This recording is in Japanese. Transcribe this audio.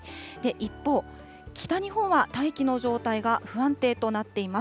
一方、北日本は大気の状態が不安定となっています。